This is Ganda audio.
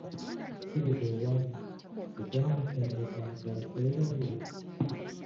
Kiridde obwami, ekyamusengusanga akyerabira.